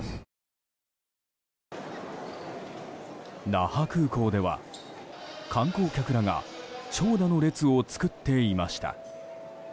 那覇空港では観光客らが長蛇の列を作っていました。